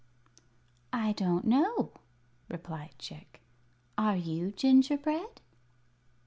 "I don't know," replied Chick. "Are you gingerbread?"